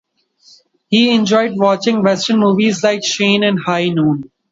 He enjoyed watching Western movies like "Shane" and "High Noon".